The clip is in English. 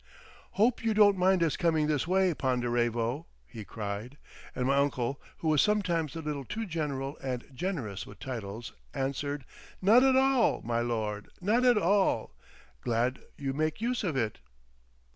"Hope you don't mind us coming this way, Ponderevo," he cried; and my uncle, who was sometimes a little too general and generous with titles, answered, "Not at all, my lord, not at all! Glad you make use of it!"